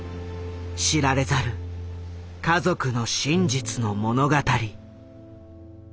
知られざる家族の真実の物語。